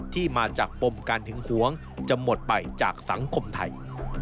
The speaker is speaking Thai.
ที่มาจากปมการหึงหวงจะหมดไปจากสังคมไทย